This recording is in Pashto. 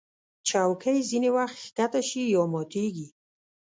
چوکۍ ځینې وخت ښکته شي یا ماتېږي.